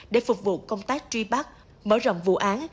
để phục vụ công tác truy bắt mở rộng vụ án